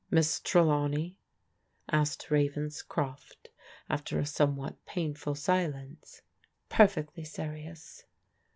Miss Trelawney?" asked Ravenscroft after a somewhat painful silence. " Perfectly serious."